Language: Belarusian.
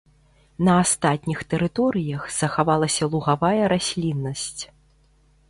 На астатніх тэрыторыях захавалася лугавая расліннасць.